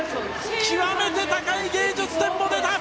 極めて高い芸術点も出た。